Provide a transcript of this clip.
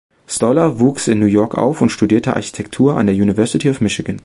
Staller wuchs in New York auf und studierte Architektur an der University of Michigan.